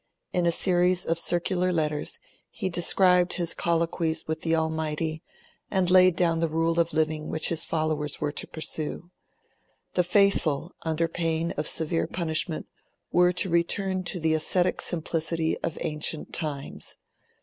In a series of circular letters, he described his colloquies with the Almighty and laid down the rule of living which his followers were to pursue. The faithful, under pain of severe punishment, were to return to the ascetic simplicity of ancient times.